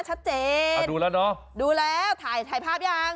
ชัดเจนดูแล้วหรอดูแล้วทายภาพหรือยัง